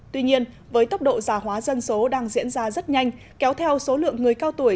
tuy nhiên với tốc độ già hóa dân số đang diễn ra rất nhanh kéo theo số lượng người cao tuổi